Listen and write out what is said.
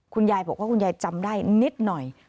คุณยายบอกว่าคุณยายจำได้นิดหน่อย